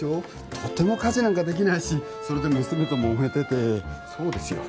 とても家事なんかできないしそれで娘ともめててそうですよ